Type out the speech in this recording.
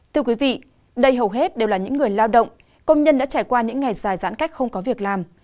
thưa quý vị đây hầu hết đều là những người lao động công nhân đã trải qua những ngày dài giãn cách không có việc làm